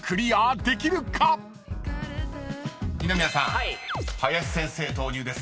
［二宮さん林先生投入ですね